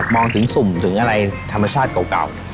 ถึงสุ่มถึงอะไรธรรมชาติเก่า